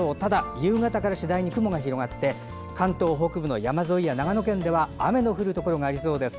夕方から次第に雲が広がって関東北部の山沿いや長野県では雨の降るところがありそうです。